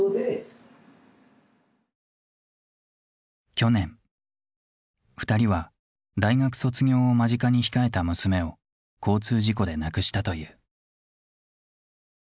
去年２人は大学卒業を間近に控えた娘を交通事故で亡くしたという。